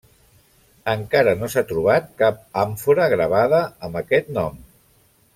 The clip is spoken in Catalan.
Encara no s'ha trobat cap àmfora gravada amb aquest nom.